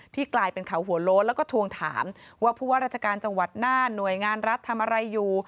กลายเป็นเขาหัวโล้นแล้วก็ทวงถามว่าผู้ว่าราชการจังหวัดน่านหน่วยงานรัฐทำอะไรอยู่